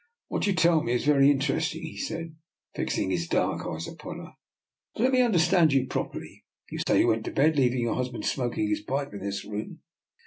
" What you tell me is very interesting," he said, fixing his dark eyes upon her; " but let me understand you properly. You say you went to bed leaving your husband smok ing his pipe in this room.